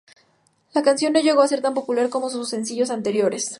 La canción no llegó a ser tan popular como sus sencillos anteriores.